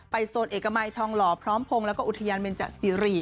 ไปโซนเอกมัยทองหล่อพร้อมพงษ์แล้วก็อุทิยันเบนจะซีรีส์